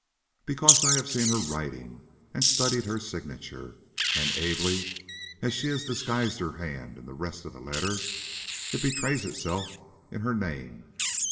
"Because I have seen her writing, and studied her signature, and, ably as she has disguised her hand in the rest of the letter, it betrays itself in her name.